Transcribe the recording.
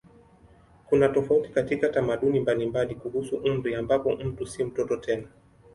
Kuna tofauti katika tamaduni mbalimbali kuhusu umri ambapo mtu si mtoto tena.